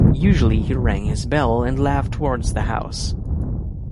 Usually he rang his bell and laughed towards the house.